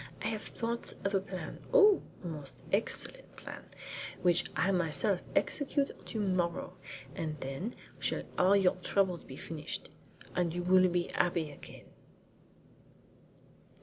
I have thought of a plan oh, a most excellent plan which I will myself execute to morrow, and then shall all your troubles be finished, and you will be happy again."